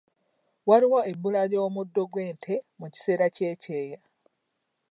Waliwo ebbula ly'omuddo gw'ente mu kiseera ky'ekyeya.